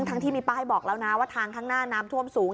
ที่มีป้ายบอกแล้วนะว่าทางข้างหน้าน้ำท่วมสูง